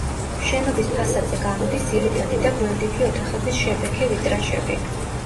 შენობის ფასადზე გამოდის ძირითადი და გვერდითი ოთახების შებექე ვიტრაჟები.